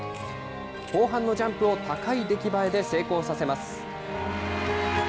後半のジャンプを高い出来栄えで成功させます。